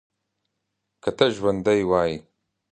که ته ژوندی وای.